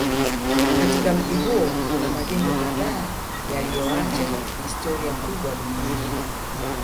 Katika mji huo kuna majengo kadhaa yaliyoacha historia kubwa duniani